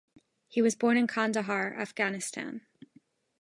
He was born in Kandahar, Afghanistan.